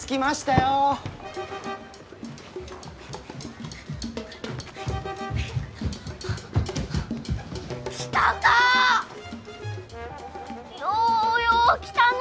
ようよう来たのう！